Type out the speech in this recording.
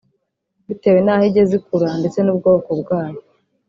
bitewe n’aho igeze ikura ndetse n’ubwoko bwayo